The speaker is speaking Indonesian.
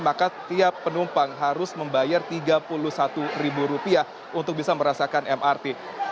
maka tiap penumpang harus membayar rp tiga puluh satu untuk bisa merasakan mrt